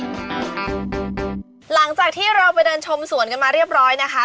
หลังจากที่เราไปเดินชมสวนกันมาเรียบร้อยนะคะ